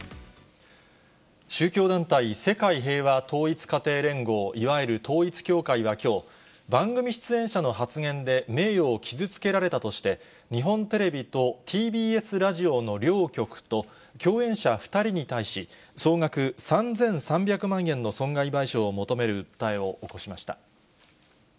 宗教団体、世界平和統一家庭連合、いわゆる統一教会はきょう、番組出演者の発言で名誉を傷つけられたとして、日本テレビとＴＢＳラジオの両局と、共演者２人に対し、総額３３００万円の損害賠償を求める訴えを起こしました。